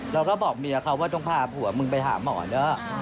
แล้วก็บอกเมียเขาว่าต้องพาผัวมึงไปหาหมอเนอะ